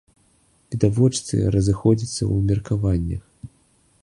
Відавочцы разыходзяцца ў меркаваннях.